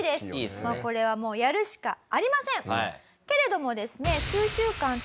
これはもうやるしかありません！